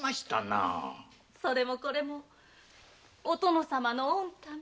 それもこれもお殿様のおんため。